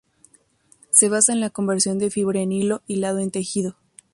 Se basa en la conversión de fibra en hilo, hilado en tejido.